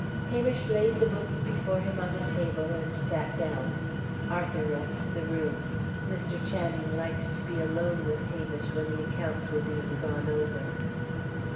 Hamish laid the books before him on the table, and sat down. Arthur left the room. Mr. Channing liked to be alone with Hamish when the accounts were being gone over.